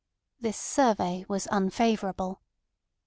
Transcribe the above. This survey was unfavourable.